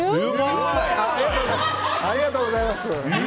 ありがとうございます。